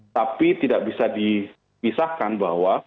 tapi tidak bisa dipisahkan bahwa